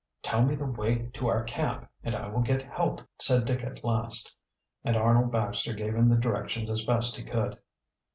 "Tell me the way to our camp and I will get help," said Dick at last. And Arnold Baxter gave him the directions as best he could.